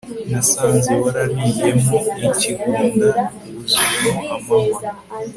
nasanze wararariyemo ikigunda wuzuyemo amahwa